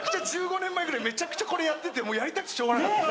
１５年前ぐらいめちゃくちゃこれやっててやりたくてしょうがなかった。